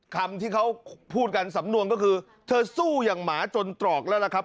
คำที่เขาพูดกันสำนวนก็คือเธอสู้อย่างหมาจนตรอกแล้วล่ะครับ